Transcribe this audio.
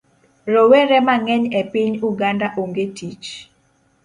Rowere mang'eny e piny Uganda onge tich